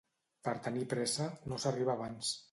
Per tenir pressa no s'arriba abans.